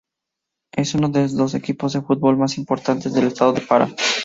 Es uno de los dos equipos de fútbol más importantes del estado de Pará.